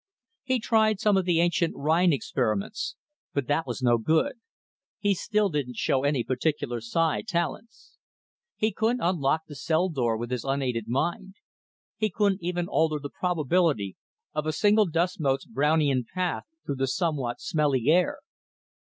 He'd tried some of the ancient Rhine experiments, but that was no good; he still didn't show any particular psi talents. He couldn't unlock the cell door with his unaided mind; he couldn't even alter the probability of a single dust mote's Brownian path through the somewhat smelly air.